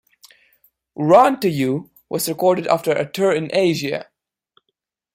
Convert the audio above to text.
"Run to You" was recorded after a tour in Asia.